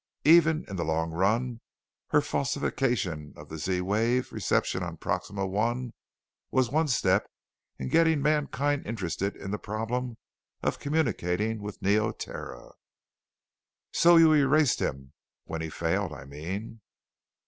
Even in the long run her falsification of the Z wave reception on Proxima I was one step in getting mankind interested in the problem of communicating with Neoterra. "So you erased him? When he failed, I mean?"